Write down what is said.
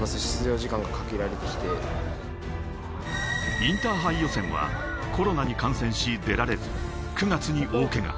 インターハイ予選はコロナに感染し出られず、９月に大けが。